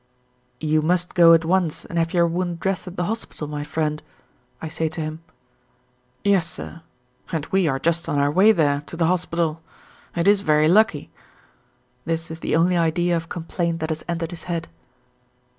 "You must go at once and have your wound dressed at the hospital, my friend," I say to him. "Yes, sir. And we are just on our way there, to the hospital. It is very lucky." This is the only idea of complaint that has entered his head.